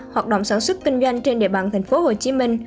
hoạt động sản xuất kinh doanh trên địa bàn tp hcm